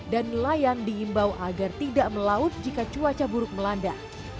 dan nelayan diimbau agar tidak melaut jika cuaca buruk melanda